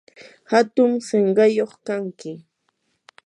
hatun sinqayuq kanki.